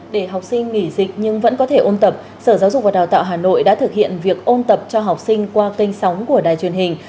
để học sinh nghỉ dịch nhưng vẫn có thể ôn tập sở giáo dục và đào tạo hà nội đã thực hiện việc ôn tập cho học sinh qua kênh sóng của đài truyền hình